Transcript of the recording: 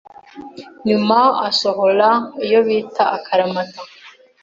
nyuma asohora iyo bita Akaramata”